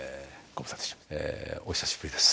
お久しぶりです。